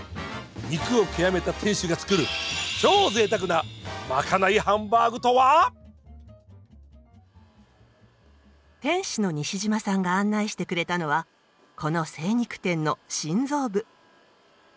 肉を極めた店主が作る超ぜいたくなまかないハンバーグとは⁉店主の西島さんが案内してくれたのはこの精肉店の心臓部。